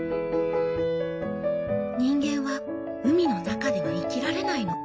「人間は海の中では生きられないの。